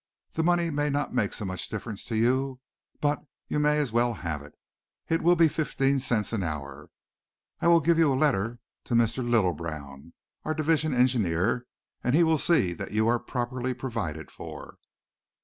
The money may not make so much difference to you but you may as well have it. It will be fifteen cents an hour. I will give you a letter to Mr. Litlebrown, our division engineer, and he will see that you are properly provided for."